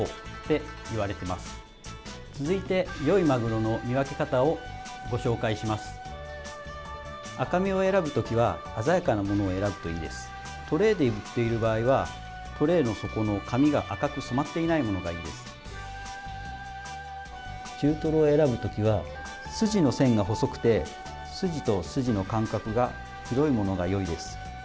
中トロを選ぶときは筋の線が細くて筋と筋の間隔が広いものがよいです。